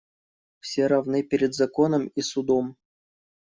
Все равны перед законом и судом.